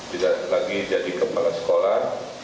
tidak lagi jadi kepala sekolah